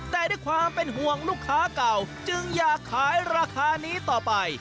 แต่ด้วยความเป็นห่วงลูกค้าเก่าจึงอยากขายราคานี้ต่อไป